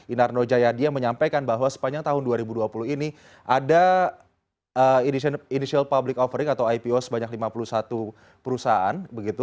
inarno jayadi yang menyampaikan bahwa sepanjang tahun dua ribu dua puluh ini ada initial public offering atau ipo sebanyak lima puluh satu perusahaan